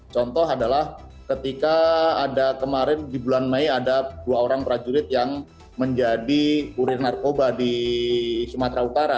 contoh adalah ketika ada kemarin di bulan mei ada dua orang prajurit yang menjadi kurir narkoba di sumatera utara